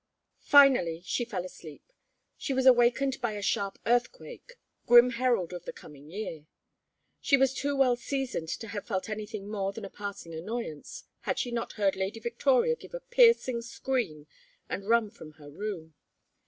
Finally she fell asleep. She was awakened by a sharp earthquake grim herald of the coming year! She was too well seasoned to have felt anything more than a passing annoyance, had she not heard Lady Victoria give a piercing scream and run from her room.